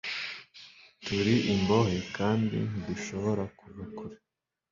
turi imbohe kandi ntidushobora kuva kure